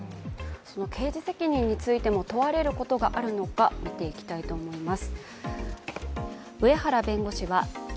刑事責任についても問われることがあるのか、見ていきたいと思います。